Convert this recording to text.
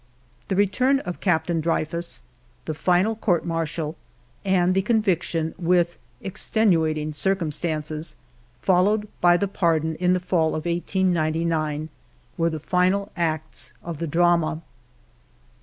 The return of Captain Dreyfus, the final court martial, and the conviction " with extenuating circumstances," followed by the pardon in the fall of 1899, were the final acts of the drama.